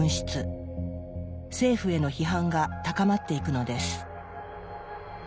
政府への批判が高まっていくのです。